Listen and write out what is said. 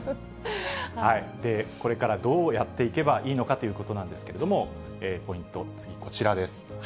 これからどうやっていけばいいのかということなんですけれども、ポイント、次、こちらです。